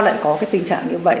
lại có tình trạng như vậy